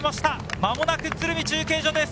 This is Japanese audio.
まもなく鶴見中継所です。